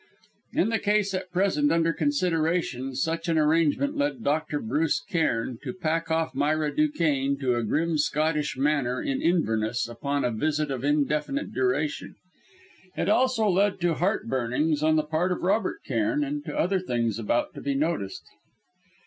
In the case at present under consideration, such an arrangement led Dr. Bruce Cairn to pack off Myra Duquesne to a grim Scottish manor in Inverness upon a visit of indefinite duration. It also led to heart burnings on the part of Robert Cairn, and to other things about to be noticed.